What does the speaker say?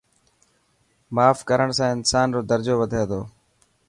ماف ڪرڻ سان انسان رو درجو وڌي ٿو.